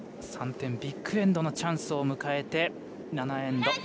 ３点、ビッグ・エンドのチャンスを迎えて７エンド。